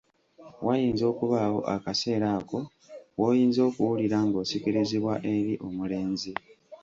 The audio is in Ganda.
Wayinza okubaawo akaseera ako woyinza okuwulira ng'osikirizibwa eri omulenzi.